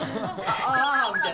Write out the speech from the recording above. ああ、みたいな。